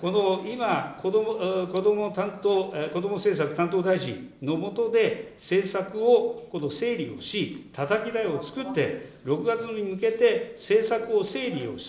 今、こども、こども政策担当大臣の下で、政策を整理をし、たたき台を作って、６月に向けて、政策を整理をする。